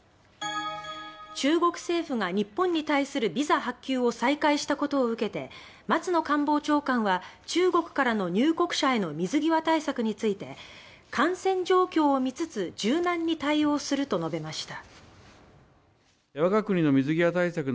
中国政府が日本に対するビザ発給を再開したことを受けて松野官房長官は中国からの入国者への水際対策について感染状況を見つつ柔軟に対応すると述べました。